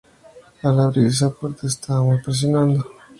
Al abrir esa puerta, estábamos presionando.